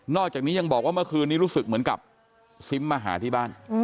อกจากนี้ยังบอกว่าเมื่อคืนนี้รู้สึกเหมือนกับซิมมาหาที่บ้าน